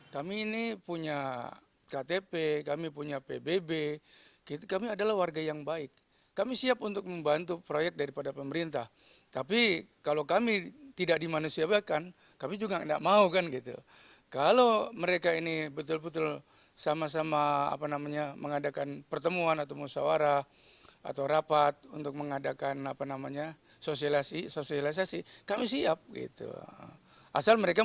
sosialisasi sosialisasi kami siap gitu asal mereka mau datang ke tempat kita